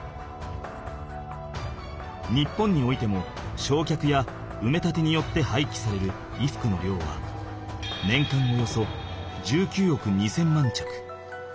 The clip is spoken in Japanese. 日本においてもしょうきゃくやうめ立てによってはいきされる衣服の量は年間およそ１９億２０００万着。